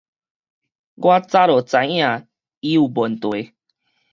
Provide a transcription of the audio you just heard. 我早就知影伊有問題